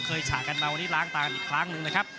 ฉากกันมาวันนี้ล้างตากันอีกครั้งหนึ่งนะครับ